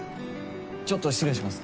ちょっと失礼します。